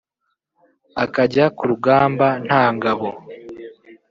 akajya ku rugamba nta ngabo